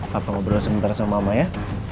papa ngobrol sebentar sama mama ya